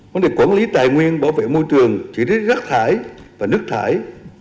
vấn đề quản lý tài nguyên bảo vệ môi trường chỉ đối rắc thải và nước thải